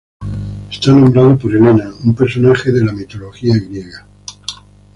Está nombrado por Helena, una personaje de la mitología griega.